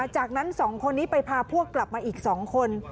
จากนั้น๒คนนี้ไปพาพวกกลับมาอีก๒คน